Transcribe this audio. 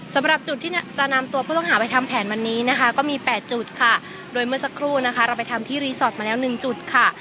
สำหรับจุดที่จะนำตัวผู้ต้องหาไปทำแผนวันนี้นะคะก็มีแปดจุดค่ะโดยเมื่อสักครู่นะคะเราไปทำที่รีสอร์ทมาแล้วหนึ่งจุดค่ะ